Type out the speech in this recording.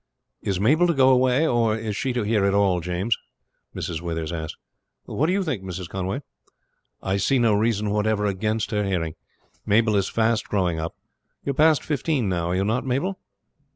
"Is Mabel to go away, or is she to hear it all, James?" Mrs. Withers asked. "What do you think, Mrs. Conway?" "I see no reason whatever against her hearing. Mabel is fast growing up. You are past fifteen now, are you not, Mabel?"